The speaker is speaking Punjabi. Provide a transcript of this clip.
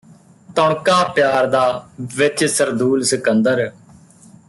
ਤੁਣਕਾ ਪਿਆਰ ਦਾ ਵਿਚ ਸਰਦੂਲ ਸਿਕੰਦਰ